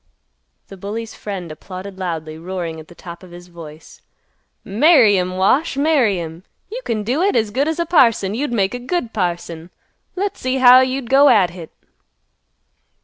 The bully's friend applauded loudly, roaring at the top of his voice, "Marry 'em, Wash. Marry 'em. You can do hit as good as a parson! You'd make a good parson. Let's see how'd you go at hit."